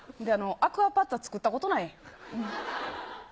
アクアパッツァ作ったことない。